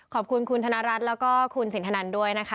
ขอบคุณคุณธนรัฐแล้วก็คุณสินทนันด้วยนะคะ